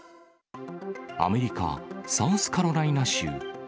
アメリカ・サウスカロライナ州。